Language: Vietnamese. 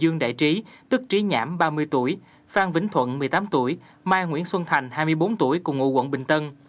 dương đại trí tức trí nhãm ba mươi tuổi phan vĩnh thuận một mươi tám tuổi mai nguyễn xuân thành hai mươi bốn tuổi cùng ngụ quận bình tân